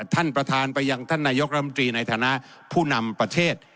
ท่านประธานไปยังท่านนายกรมตรีในฐานะผู้นำประเทศ